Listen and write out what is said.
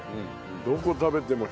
どこ食べても鮭。